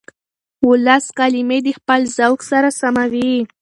ولس کلمې د خپل ذوق سره سموي.